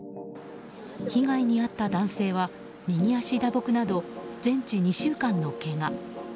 被害に遭った男性は右足打撲など全治２週間のけが。